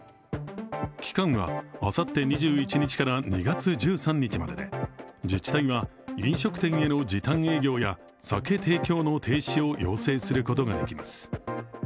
期間はあさって２１日から２月１３日までで自治体は飲食店への時短営業や酒提供の停止を要請することができます。